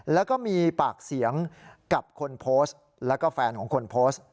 แล้วก็มีปากเสียงกับคนโพสต์แล้วก็แฟนของคนโพสต์